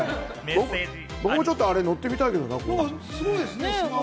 僕もちょっとあれ、乗ってみたいけどな。